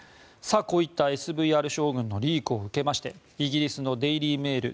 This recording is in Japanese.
こういったＳＶＲ将軍のリークを受けましてイギリスのデイリー・メール